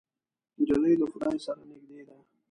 نجلۍ له خدای سره نږدې ده.